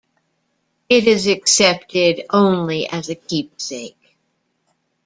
It is accepted only as a keepsake.